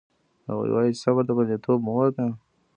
هغوی وایي چې صبر د بریالیتوب مور ده